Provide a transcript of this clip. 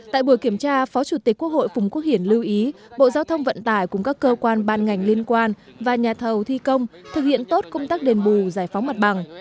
tại buổi kiểm tra phó chủ tịch quốc hội phùng quốc hiển lưu ý bộ giao thông vận tải cùng các cơ quan ban ngành liên quan và nhà thầu thi công thực hiện tốt công tác đền bù giải phóng mặt bằng